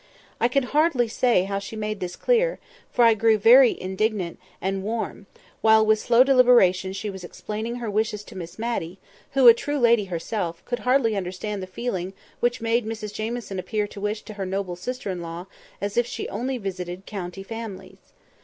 I can hardly say how she made this clear; for I grew very indignant and warm, while with slow deliberation she was explaining her wishes to Miss Matty, who, a true lady herself, could hardly understand the feeling which made Mrs Jamieson wish to appear to her noble sister in law as if she only visited "county" families.